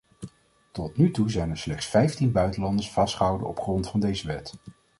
Tot nu toe zijn er slechts vijftien buitenlanders vastgehouden op grond van deze wet.